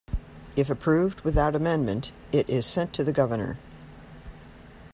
If approved, without amendment, it is sent to the governor.